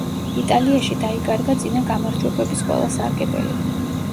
იტალიაში დაიკარგა წინა გამარჯვებების ყველა სარგებელი.